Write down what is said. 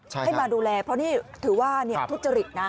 ให้มาดูแลเพราะนี่ถือว่าทุจริตนะ